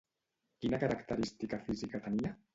Quina característica física tenia?